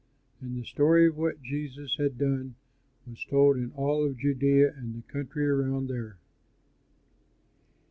And the story of what Jesus had done was told in all of Judea and the country around there.